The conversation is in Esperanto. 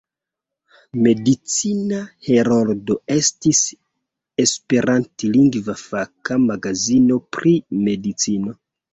Medicina Heroldo estis esperantlingva faka magazino pri medicino.